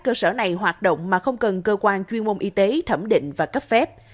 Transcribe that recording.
cơ sở này hoạt động mà không cần cơ quan chuyên môn y tế thẩm định và cấp phép